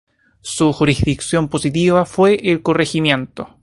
Su jurisdicción positiva fue el Corregimiento.